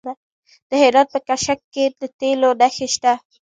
د هرات په کشک کې د تیلو نښې شته.